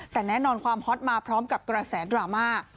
แต่แน่นอนความฮอตมาพร้อมกับกระแสดราม่า